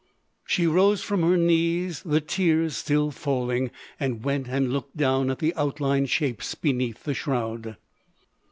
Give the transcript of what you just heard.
She rose from her knees, the tears still falling, and went and looked down at the outlined shapes beneath the shroud.